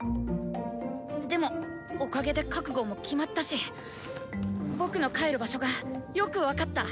でもおかげで覚悟も決まったし僕の帰る場所がよく分かった！